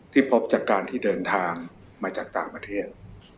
พบจากการที่เดินทางมาจากต่างประเทศ